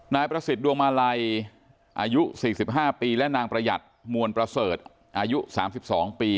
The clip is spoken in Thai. นายประสิทธิ์ดวงมาลัยอายุ๔๕ปีและนางประหยัดมวลประเสริฐอายุ๓๒ปี